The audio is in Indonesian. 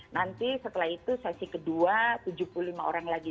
nanti setelah itu sesi kedua tujuh puluh lima orang lagi